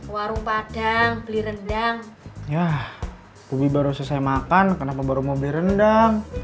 warung padang beli rendang ya bubi baru selesai makan kenapa baru mau beli rendang